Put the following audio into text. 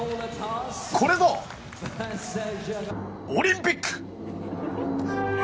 これぞ、オリンピック！